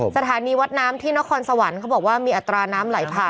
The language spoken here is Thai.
สถานีวัดน้ำที่นครสวรรค์เขาบอกว่ามีอัตราน้ำไหลผ่าน